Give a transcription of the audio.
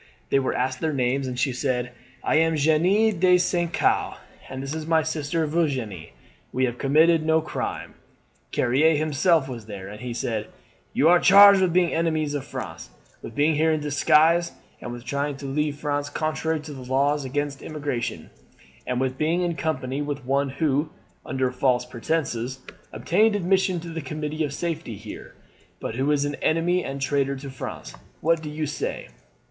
They were asked their names, and she said: "'I am Jeanne de St. Caux, and this is my sister Virginie. We have committed no crime.' "Carrier himself was there, and he said: "'You are charged with being enemies of France, with being here in disguise, and with trying to leave France contrary to the laws against emigration, and with being in company with one who, under false pretenses, obtained admission to the Committee of Safety here, but who is an enemy and traitor to France. What do you say?'